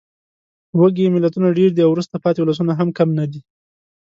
وږې ملتونه ډېر دي او وروسته پاتې ولسونه هم کم نه دي.